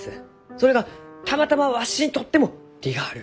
それがたまたまわしにとっても利がある。